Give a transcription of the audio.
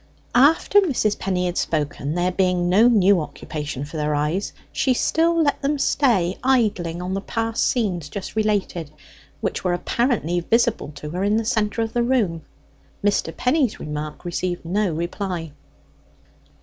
After Mrs. Penny had spoken, there being no new occupation for her eyes, she still let them stay idling on the past scenes just related, which were apparently visible to her in the centre of the room. Mr. Penny's remark received no reply.